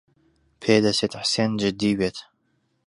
پێدەچێت حسێن جددی بێت.